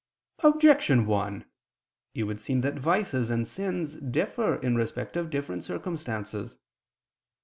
Objection 1: It would seem that vices and sins differ in respect of different circumstances.